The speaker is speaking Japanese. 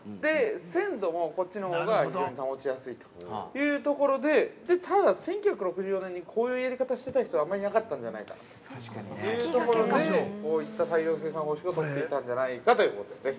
鮮度もこっちのほうが非常に保ちやすいというところでただ、１９６４年にこういうやり方をしてた人はあんまりいなかったんじゃないかというところでこういった大量生産方式を取っていたんじゃないかということです。